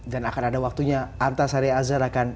dan akan ada waktunya antasari azhar akan